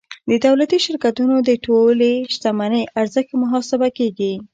د دولتي شرکتونو د ټولې شتمنۍ ارزښت محاسبه کیږي.